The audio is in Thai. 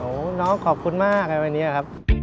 โอ้น้องขอบคุณมาก